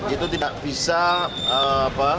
itu tidak bisa